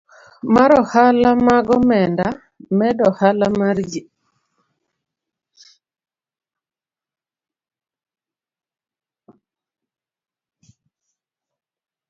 mar ohala mag omenda, medo ohala mar ji,